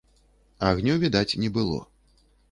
Агню відаць не было.